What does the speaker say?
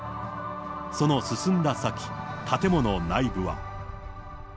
その進んだ先、建物内部は。